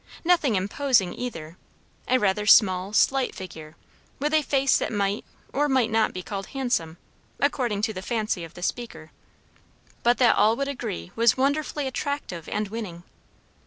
Nothing imposing, either; a rather small, slight figure; with a face that might or might not be called handsome, according to the fancy of the speaker, but that all would agree was wonderfully attractive and winning.